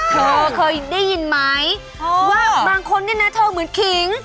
เธอเคยได้ยินไหมว่าบางคนเนี่ยนะเธอเหมือนขิง